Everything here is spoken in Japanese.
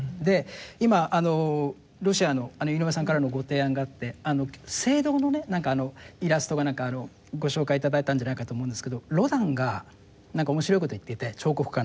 今ロシアの井上さんからのご提案があって聖堂のイラストか何かご紹介いただいたんじゃないかと思うんですけどロダンが何か面白いこと言っていて彫刻家の。